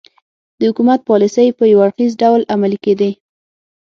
د حکومت پالیسۍ په یو اړخیز ډول عملي کېدې.